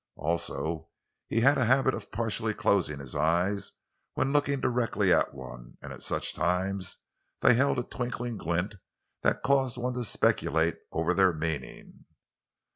Also, he had a habit of partially closing his eyes when looking directly at one; and at such times they held a twinkling glint that caused one to speculate over their meaning.